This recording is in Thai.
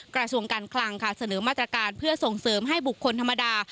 กระทรวงการคลังค่ะเสนอมาตรการเพื่อส่งเสริมให้บุคคลธรรมดา